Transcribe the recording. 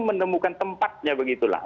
menemukan tempatnya begitu lah